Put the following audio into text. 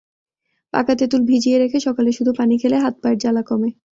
পাকা তেঁতুল ভিজিয়ে রেখে সকালে শুধু পানি খেলে হাত-পায়ের জ্বালা কমে।